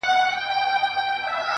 ورته ښېراوي هر ماښام كومه.